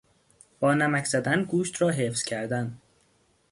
با نمک زدن گوشت را حفظ کردن